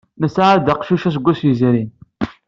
Nesɛa-d aqcic aseggas yezrin.